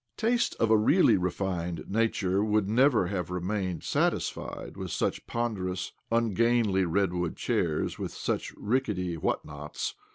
Taste of a really refined nature would never have remained satisfied with such ponderous, ungainly redwood chairs, with such rickety whatnots.